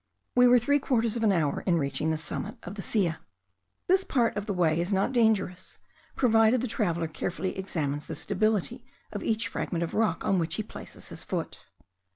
We were three quarters of an hour in reaching the summit of the pyramid. This part of the way is not dangerous, provided the traveller carefully examines the stability of each fragment of rock on which he places his foot.